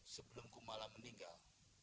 sebelum kumala meninggal